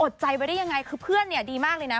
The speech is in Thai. อดใจไปได้ยังไงคือเพื่อนดีมากเลยนะ